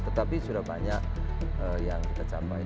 tetapi sudah banyak yang kita capai